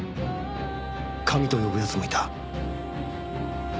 「神」と呼ぶ奴もいた。